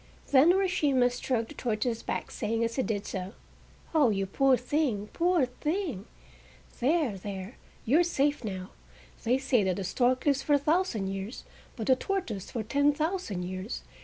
Then Urashima stroked the tortoise's back, saying as he did so: "Oh, you poor thing! Poor thing!—there, there! you are safe now! They say that a stork lives for a thousand years, but the tortoise for ten thousand years.